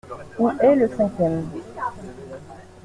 Où est le cinquième ?…